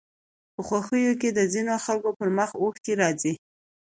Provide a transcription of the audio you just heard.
په خوښيو کې د ځينو خلکو پر مخ اوښکې راځي